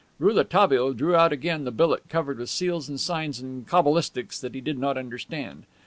Rouletabille drew out again the billet covered with seals and signs and cabalistics that he did not understand.